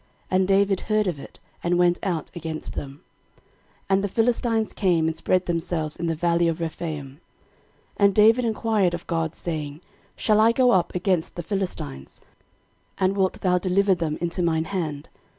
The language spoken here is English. And David heard of it, and went out against them. 13:014:009 And the Philistines came and spread themselves in the valley of Rephaim. 13:014:010 And David enquired of God, saying, Shall I go up against the Philistines? And wilt thou deliver them into mine hand?